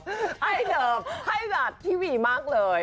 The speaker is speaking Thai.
ไฟดับไฟดับทีวีมากเลย